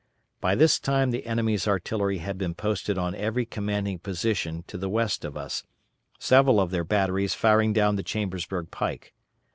By this time the enemy's artillery had been posted on every commanding position to the west of us, several of their batteries firing down the Chambersburg pike.